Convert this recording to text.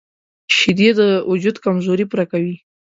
شیدې د وجود کمزوري پوره کوي